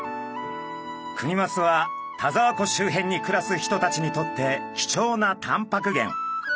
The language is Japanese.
クニマスは田沢湖周辺に暮らす人たちにとって貴重なタンパク源。